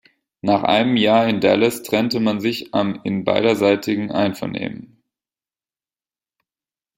Nach einem Jahr in Dallas trennte man sich am in beiderseitigen Einvernehmen.